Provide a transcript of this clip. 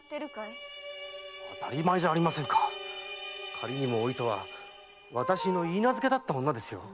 仮にもお糸は私の許嫁だった女ですよ。